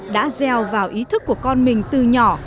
đã gieo vào ý thức của con mình từ nhỏ